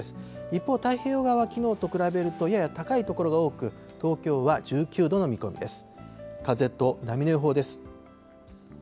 一方、太平洋側はきのうと比べるとやや高い所が多く、東京は１９度の見込みです。